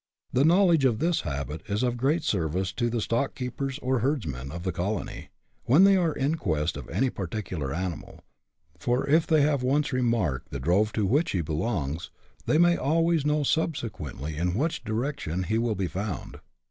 The knowledge of this habit is of great service to the stock keepers or herdsmen of the colony, when they are in quest of any particular animal ; for if they have once remarked the drove to which he belongs, they may always know subsequently in what direction he will be found.